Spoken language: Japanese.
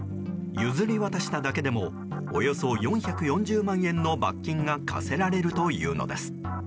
譲り渡しただけでもおよそ４４０万円の罰金が科せられるというのです。